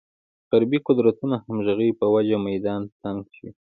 غربې قدرتونو همغږۍ په وجه میدان تنګ شوی.